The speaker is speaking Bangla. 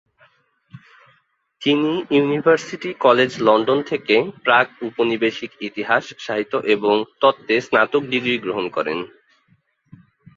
তিনি ইউনিভার্সিটি কলেজ লন্ডন থেকে প্রাক-উপনিবেশিক ইতিহাস, সাহিত্য এবং তত্ত্বে স্নাতক ডিগ্রী গ্রহণ করেন।